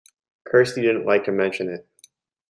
Kirsty didn’t like to mention it.